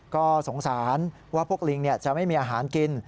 ก็สงสารว่าพวกลิงจะไม่มีอาหารกิน